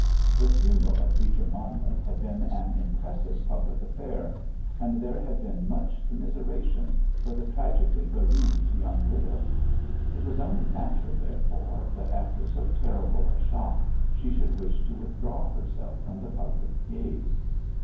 The funeral of Beecher Monmouth had been an impressive public affair, and there had been much commiseration for the tragically bereaved young widow. It was only natural, therefore, that after so terrible a shock she should wish to withdraw herself from the public gaze.